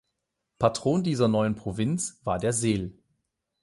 Patron dieser neuen Provinz war der sel.